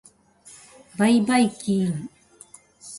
ばいばいきーーーん。